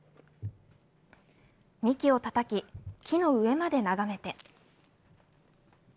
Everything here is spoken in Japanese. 幹をたたき、木の上まで眺めて。